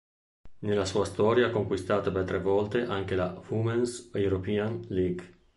Nella sua storia ha conquistato per tre volte anche la Women's European League.